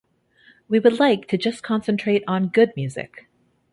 We would like to just concentrate on good music.